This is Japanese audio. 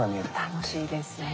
楽しいですね。